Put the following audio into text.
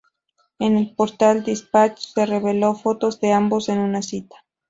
En el portal Dispatch se reveló fotos de ambos en una cita.